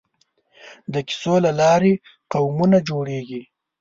د کیسو له لارې قومونه جوړېږي.